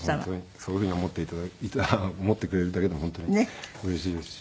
そういうふうに思って頂いて思ってくれるだけでも本当にうれしいですし。